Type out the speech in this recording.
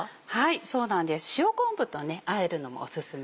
そうなんです塩昆布とねあえるのもオススメです。